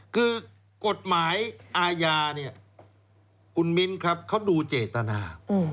คือกฎหมายอาญาเนี่ยคุณมิ้นครับเขาดูเจตนา